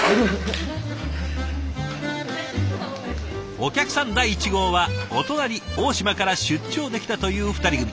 お客さん第１号はお隣大島から出張で来たという２人組。